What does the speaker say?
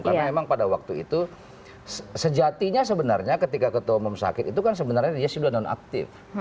karena memang pada waktu itu sejatinya sebenarnya ketika ketua umum sakit itu kan sebenarnya dia sudah non aktif